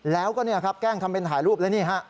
แล้วก็แกล้งทำเป็นถ่ายรูปแล้วนี่ฮะ